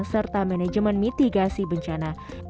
serta manajemen mitigasi bencana